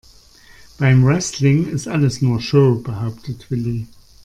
Beim Wrestling ist alles nur Show, behauptet Willi.